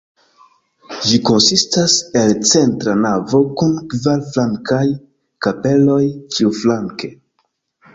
Ĝi konsistas el centra navo kun kvar flankaj kapeloj ĉiuflanke.